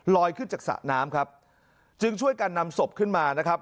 ขึ้นจากสระน้ำครับจึงช่วยกันนำศพขึ้นมานะครับ